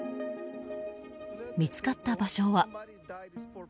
見つかった場所は。